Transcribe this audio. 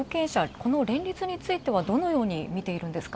この連立については、どのように見ているんですか。